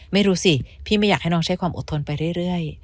ไม่รู้สิพี่ไม่อยากให้น้องใช้ความอดทนไปเรื่อย